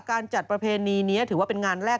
การจัดประเพณีนี้ถือว่าเป็นงานแรก